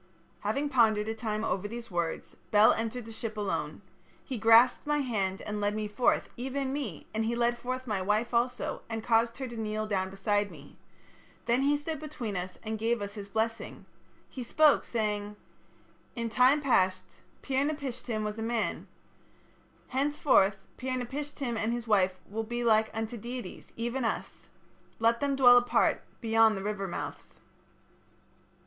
"Having pondered a time over these words, Bel entered the ship alone. He grasped my hand and led me forth, even me, and he led forth my wife also, and caused her to kneel down beside me. Then he stood between us and gave his blessing. He spoke, saying: 'In time past Pir napishtim was a man. Henceforth Pir napishtim and his wife will be like unto deities, even us. Let them dwell apart beyond the river mouths.'